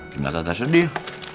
ternyata gak sedih